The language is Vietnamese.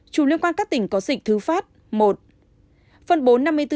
một mươi hai chủng liên quan các tỉnh có dịch thứ pháp một